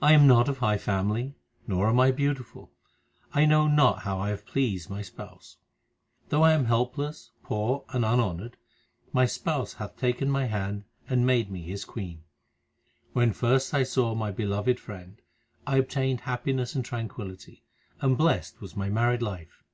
I am not of high family, nor am I beautiful ; I know not how I have pleased my Spouse. Though I am helpless, poor, and unhonoured, My Spouse hath taken my hand and made me His queen. When first I saw my Beloved Friend, I obtained happiness and tranquillity, and blest was my married life.